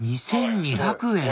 ２２００円！